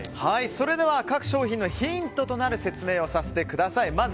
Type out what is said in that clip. それでは各商品のヒントとなる説明をさせていただきます。